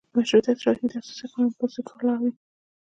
مشروطه شاهي د اساسي قانون په بنسټ ولاړه وي.